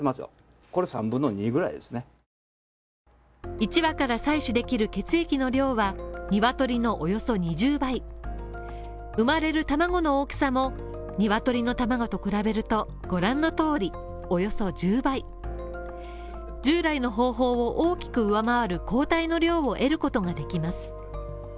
１羽から採取できる血液の量は、鶏のおよそ２０倍生まれる卵の大きさも鶏の卵と比べると、ご覧の通り、およそ１０倍従来の方法を大きく上回る抗体の量を得ることができます。